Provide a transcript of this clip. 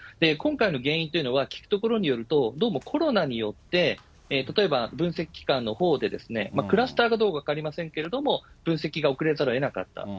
今回の原因というのは、聞くところによると、どうもコロナによって、例えば、分析機関のほうでクラスターかどうか分かりませんけれども、分析が遅れざるをえなかった。